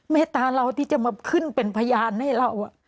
เมตตาเราที่จะมาขึ้นเป็นพยานให้เรา